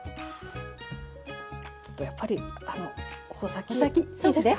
ちょっとやっぱり穂先先いいですか？